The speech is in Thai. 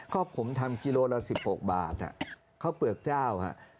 ก็ผมทำกิโลละ๑๖บาทข้าวเปลือกเจ้า